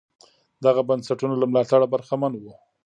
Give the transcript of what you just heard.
دغه بنسټونه له ملاتړه برخمن وو.